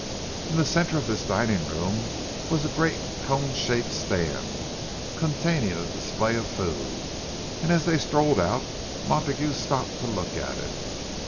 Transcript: In the centre of this dining room was a great cone shaped stand, containing a display of food; and as they strolled out, Montague stopped to look at it.